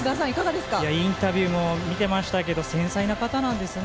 インタビューも見てましたが繊細な方なんですね。